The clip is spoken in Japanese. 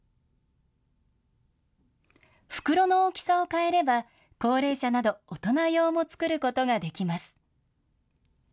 袋の大きさを変えれば、高齢者など、大人用も作ることができます。